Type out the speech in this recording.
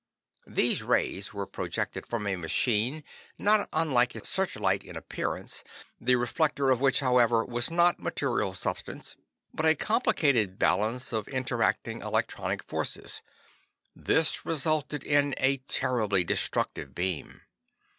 These rays were projected from a machine not unlike a searchlight in appearance, the reflector of which, however, was not material substance, but a complicated balance of interacting electronic forces. This resulted in a terribly destructive beam.